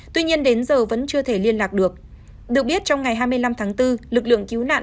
tuy nhiên đến giờ vẫn chưa thể liên lạc được được biết trong ngày hai mươi năm tháng bốn lực lượng cứu nạn